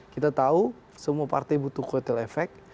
kita tahu semua partai butuh kotel efek